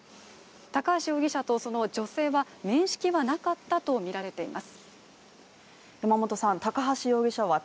高橋容疑者とその女性は面識はなかったとみられています。